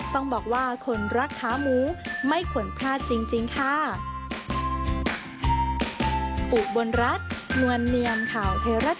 ต้องบอกว่าคนรักขาหมูไม่ควรพลาดจริงค่ะ